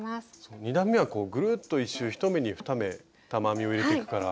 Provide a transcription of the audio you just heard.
２段めはぐるっと１周１目に２目玉編みを入れてくから。